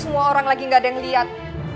semua orang lagi ga ada yang liat